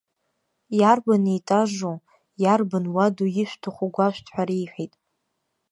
Иарбан етажу, иарбан уадоу ишәҭахыу гәашәҭ ҳәа реиҳәеит.